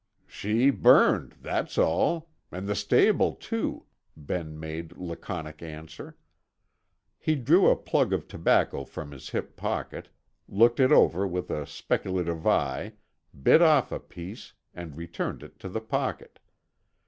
"She burned, that's all. 'N' the stable, too," Ben made laconic answer. He drew a plug of tobacco from his hip pocket, looked it over with a speculative eye, bit off a piece, and returned it to the pocket.